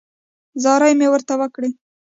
زارۍ مې ورته وکړې.